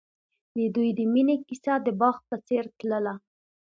د دوی د مینې کیسه د باغ په څېر تلله.